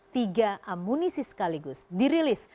tiga amunisi sekaligus dirilis